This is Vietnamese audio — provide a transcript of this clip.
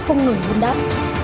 không ngừng buôn đắp